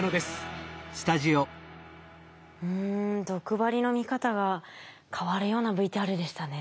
うん毒針の見方が変わるようなＶＴＲでしたね。